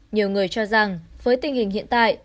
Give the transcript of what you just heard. nhiều người cho rằng với tình hình hiện tại